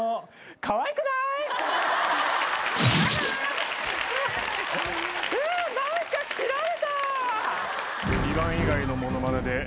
かわいくない⁉え⁉何か切られた！